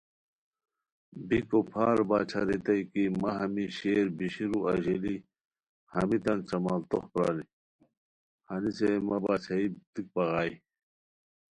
بیکو پھار باچھا ریتائے کی مہ ہمی شیر بیشیرو اژیلی ہمیتان چملتوخ پرائے، ہنیسے مہ باچھائی پڑیک بغائے